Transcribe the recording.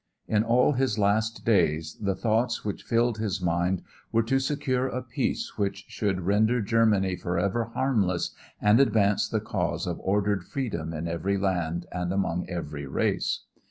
In all his last days the thoughts which filled his mind were to secure a peace which should render Germany forever harmless and advance the cause of ordered freedom in every land and among every race.